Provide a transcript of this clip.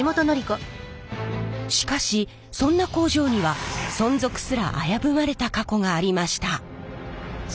しかしそんな工場には存続すら危ぶまれた過去がありました。